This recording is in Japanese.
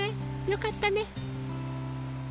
よかったね。